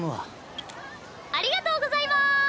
ピッありがとうございます！